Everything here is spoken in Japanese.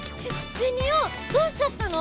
ベニオどうしちゃったの？